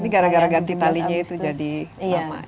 ini gara gara ganti talinya itu jadi lama